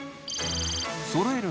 そろえる